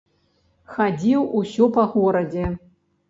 Хадзіў усё па горадзе.